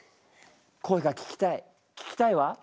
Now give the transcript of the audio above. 声が聞きたい聞きたいわ。